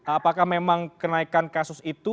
apakah memang kenaikan kasus itu